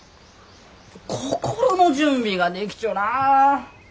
心の準備ができちょらん。